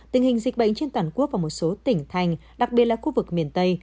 tình hình dịch bệnh trên toàn quốc và một số tỉnh thành đặc biệt là khu vực miền tây